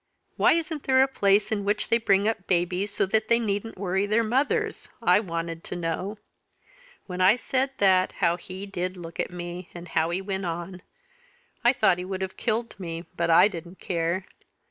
'Why isn't there a place in which they bring up babies so that they needn't worry their mothers?' I wanted to know. When I said that, how he did look at me, and how he went on! I thought he would have killed me but I didn't care.